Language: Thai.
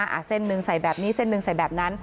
อ่ะเส้นหนึ่งใส่แบบนี้เส้นหนึ่งใส่แบบนั้น